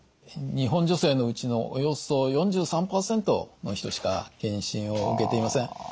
日本女性のうちのおよそ４３％の人しか検診を受けていません。